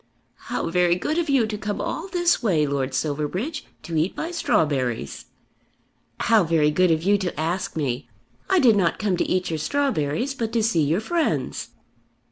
"How very good of you to come all this way, Lord Silverbridge, to eat my strawberries." "How very good of you to ask me! I did not come to eat your strawberries but to see your friends."